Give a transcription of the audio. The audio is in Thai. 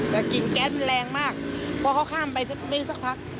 แต่กิ่งแก๊สมันแรงมากเพราะเขาข้ามไปสักพัก